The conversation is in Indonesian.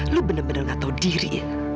lu bener bener gak tau diri